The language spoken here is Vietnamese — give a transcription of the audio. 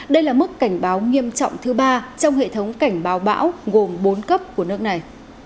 đây là mức cảnh báo nghiêm trọng thứ ba trong hệ thống cảnh báo bão gồm bốn cấp của nước này